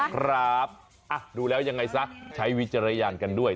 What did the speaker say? ครับดูแล้วยังไงซะใช้วิจารณญาณกันด้วย